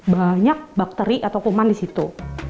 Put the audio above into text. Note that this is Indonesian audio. banyak bakteri atau kuman di situ